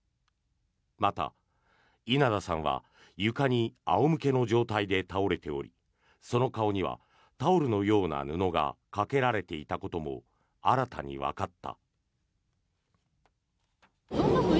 また、稲田さんは床に仰向けの状態で倒れておりその顔にはタオルのような布がかけられていたことも新たにわかった。